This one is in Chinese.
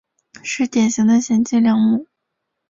是典型的贤妻良母。